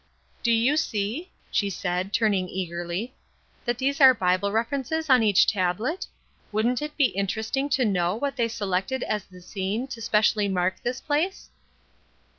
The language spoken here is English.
"Do you see," she said, turning eagerly, "that these are Bible references on each tablet? Wouldn't it be interesting to know what they selected as the scene to especially mark this place?"